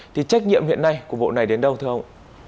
thì trách nhiệm hiện nay của vụ này đến đâu thưa ông